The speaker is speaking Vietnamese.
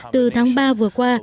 từ tháng ba vừa qua